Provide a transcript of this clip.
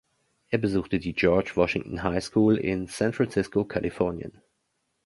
Er besuchte die George Washington High School in San Francisco, Kalifornien.